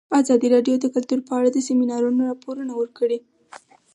ازادي راډیو د کلتور په اړه د سیمینارونو راپورونه ورکړي.